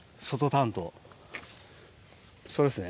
それですね